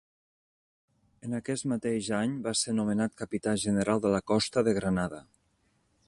En aquest mateix any va ser nomenat Capità General de la Costa de Granada.